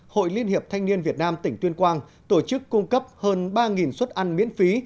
hội liên hiệp thanh niên việt nam tỉnh tuyên quang tổ chức cung cấp hơn ba suất ăn miễn phí